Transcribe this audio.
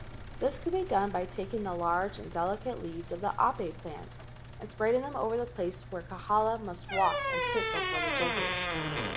This could be done by taking the large and delicate leaves of the ape* plant and spreading them over the place where Kahala must walk and sit before the judges.